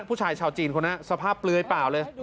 ผู้ชายชาวจีนคนนั้นสภาพเปลือยเปล่าเลย